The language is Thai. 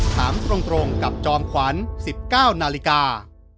ถามตรงกับจอมขวัญ๑๙นาฬิกา